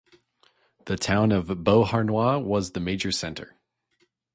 The town of Beauharnois was the major centre.